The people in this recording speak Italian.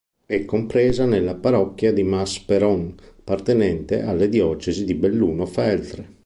È compresa nella parrocchia di Mas-Peron, appartenente alla diocesi di Belluno-Feltre.